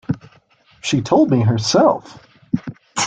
She told me herself.